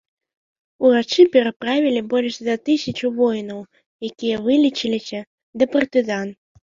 Урачы пераправілі больш за тысячу воінаў, якія вылечыліся, да партызан.